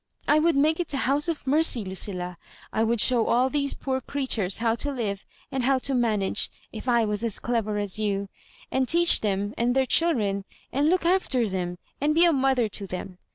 " I would make it a House of Mercy, Lucilla I I would show all these poor creatures how to live and how to manage, if I was as clever as you ; and teach them and their children, and look after them, and be a mother to them